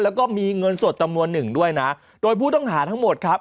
แล้วก็มีเงินสดจำนวนหนึ่งด้วยนะโดยผู้ต้องหาทั้งหมดครับ